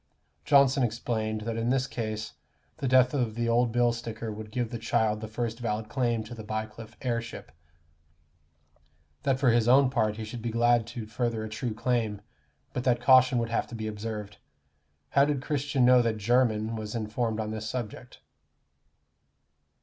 Johnson explained, that in this case the death of the old bill sticker would give the child the first valid claim to the Bycliffe heirship; that for his own part he should be glad to further a true claim, but that caution would have to be observed. How did Christian know that Jermyn, was informed on this subject?